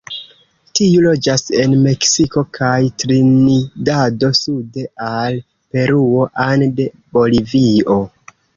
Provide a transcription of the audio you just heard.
Tiu loĝas el Meksiko kaj Trinidado sude al Peruo and Bolivio.